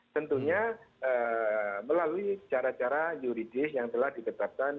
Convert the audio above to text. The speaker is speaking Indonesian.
tentunya melalui cara cara yuridis yang telah ditetapkan